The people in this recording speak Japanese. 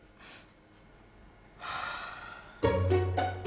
はあ。